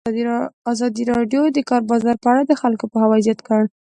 ازادي راډیو د د کار بازار په اړه د خلکو پوهاوی زیات کړی.